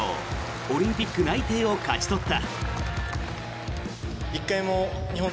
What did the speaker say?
オリンピック内定を勝ち取った。